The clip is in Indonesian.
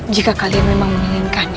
jika kalian memang menginginkannya